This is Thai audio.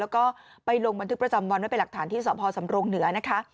แล้วก็ไปลงบันทึกประจำวันไว้เป็นหลักฐานที่สพสำรงเหนือนะคะ